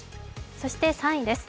そして３位です。